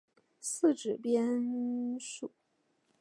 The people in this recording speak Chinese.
四指蝠属。